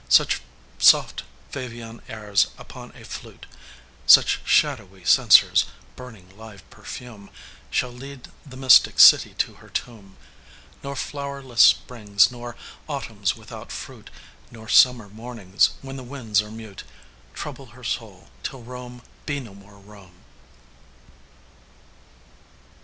Such soft favonian airs upon a flute, Such shadowy censers burning live perfume, Shall lead the mystic city to her tomb; Nor flowerless springs, nor autumns without fruit, Nor summer mornings when the winds are mute, Trouble her soul till Rome be no more Rome.